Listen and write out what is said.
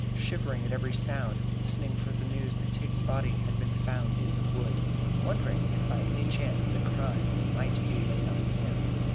Shivering at every sound, listening for the news that Tigg's body had been found in the wood, wondering if by any chance the crime might be laid on him.